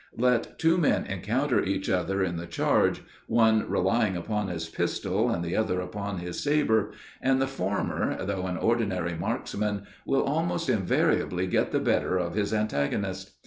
Let two men encounter each other in the charge, one relying upon his pistol, the other upon his saber, and the former, though an ordinary marksman, will almost invariably get the better of his antagonist.